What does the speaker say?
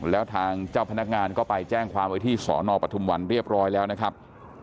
แล้วทางเจ้าพนักงานก็ไปแจ้งความไว้ที่สอนอปทุมวันเรียบร้อยแล้วนะครับ